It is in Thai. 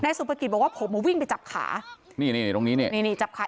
สุปกิจบอกว่าผมมาวิ่งไปจับขานี่นี่ตรงนี้นี่นี่จับขา